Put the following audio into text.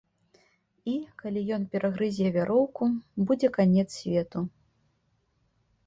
І, калі ён перагрызе вяроўку, будзе канец свету.